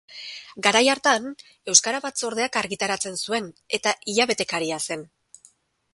Garai hartan, Euskara batzordeak argitaratzen zuen, eta hilabetekaria zen.